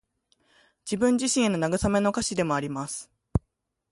自分自身への慰めの歌詞でもあります。